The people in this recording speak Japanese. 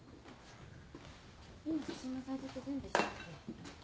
今写真のサイズって全部一緒だっけ？